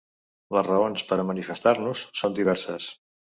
Les raons per a manifestar-nos són diverses.